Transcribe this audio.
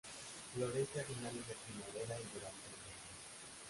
Florece a finales de primavera y durante el verano.